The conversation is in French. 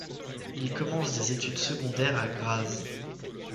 Il commence des études secondaires à Graz.